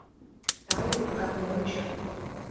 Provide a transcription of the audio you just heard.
Тау, гармоньчо…